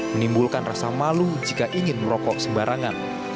menimbulkan rasa malu jika ingin merokok sembarangan